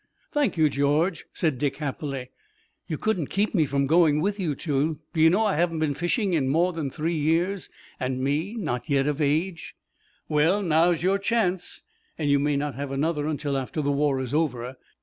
"Thank you, George," said Dick happily. "You couldn't keep me from going with you two. Do you know, I haven't been fishing in more than three years, and me not yet of age?" "Well, now's your chance, and you may not have another until after the war is over.